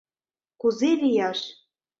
Кузе лияш?